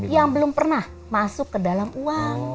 yang belum pernah masuk ke dalam uang